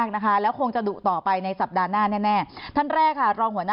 สวัสดีค่ะ